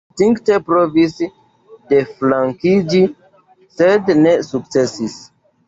Ŝi instinkte provis deflankiĝi, sed ne sukcesis.